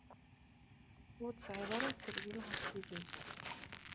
Ur teɛriḍ ara ad terwel ɣef tidet.